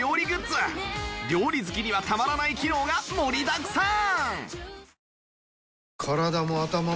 料理好きにはたまらない機能が盛りだくさん！